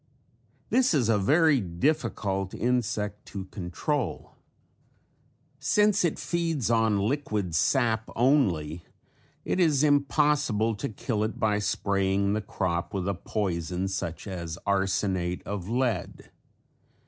This is a very difficult insect to control. Since it feeds on liquid sap only it is impossible to kill it by spraying the crop with a poison such as arsenate of lead.